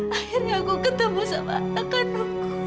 akhirnya aku ketemu sama anak aduku